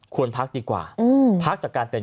พักดีกว่าพักจากการเป็น